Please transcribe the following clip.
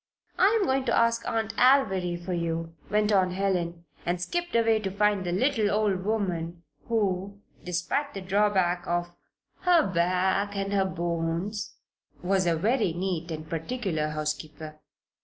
"I'm going to ask Aunt Alviry for you," went on Helen, and skipped away to find the little old woman who, despite the drawback of "her back and her bones" was a very neat and particular housekeeper.